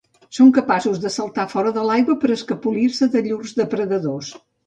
Són capaços de saltar fora de l'aigua per escapolir-se de llurs depredadors.